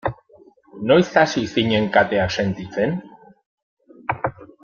Noiz hasi zinen kateak sentitzen?